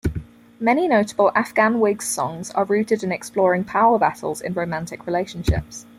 Many notable Afghan Whigs' songs are rooted in exploring power battles in romantic relationships.